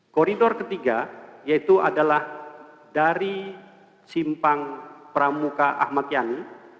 koridor ketiga yaitu adalah dari simpang pramuka ahmad yani